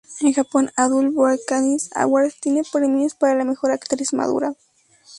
En Japón Adult Broadcasting Awards tiene premios para la mejor actriz madura.